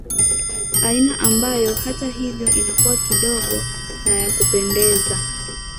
aina ambayo hata hivyo inakuwa kidogo na ya kupendeza